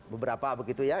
beberapa begitu ya